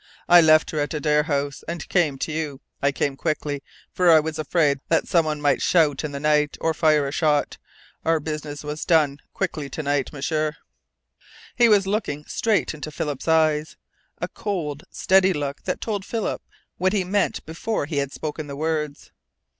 "I left her at Adare House, and came to you. I came quickly, for I was afraid that some one might shout in the night, or fire a shot. Our business was done quickly to night, M'sieur!" He was looking straight into Philip's eyes, a cold, steady look that told Philip what he meant before he had spoken the words.